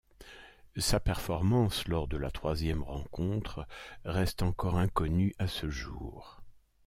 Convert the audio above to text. Sa performance lors de la troisième rencontre reste encore inconnu à ce jour.